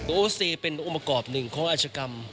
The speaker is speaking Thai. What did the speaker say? โอซีเป็นองค์ประกอบหนึ่งของอาชกรรม